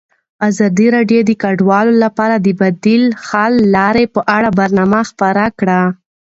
ازادي راډیو د کډوال لپاره د بدیل حل لارې په اړه برنامه خپاره کړې.